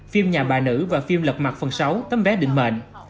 phim nhà bà nữ và phim lật mặt phần sáu tấm vé định mệnh